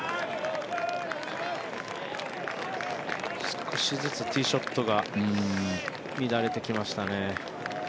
少しずつティーショットが乱れてきましたね。